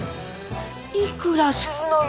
いくらするのよ？